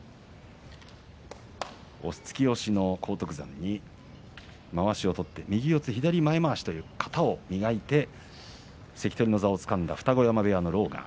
突き押しの荒篤山にまわしを取って右四つ左前まわしの型を磨いて関取の座をつかんだ二子山部屋の狼雅。